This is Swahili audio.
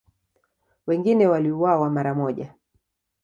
Wengine waliuawa mara moja.